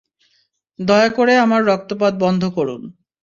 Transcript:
দয়া করে আমার রক্তপাত বন্ধ করুন।